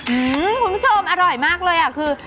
คุณผู้ชมอร่อยมากเลยอ่ะคือ